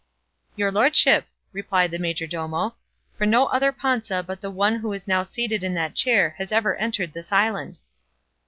"Your lordship," replied the majordomo; "for no other Panza but the one who is now seated in that chair has ever entered this island."